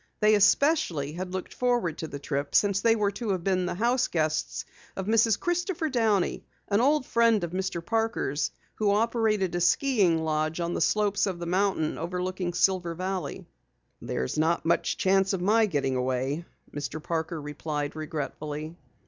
They especially had looked forward to the trip since they were to have been the house guests of Mrs. Christopher Downey, an old friend of Mr. Parker's who operated a skiing lodge on the slopes of the mountain overlooking Silver Valley. "There's not much chance of my getting away," Mr. Parker replied regretfully.